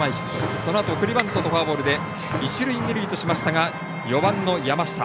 そのあと送りバントとフォアボールで一塁、二塁としましたが４版の山下。